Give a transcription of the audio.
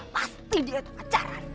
pasti dia pacaran